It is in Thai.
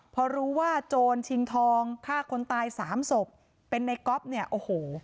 พอรู้ว่าโจรชิงทองฆ่าคนตายสามศพเป็นในก๊อฟเนี่ยโอ้โห